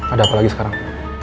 ada apa lagi sekarang